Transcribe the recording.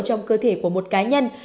trong cơ thể của một cá nhân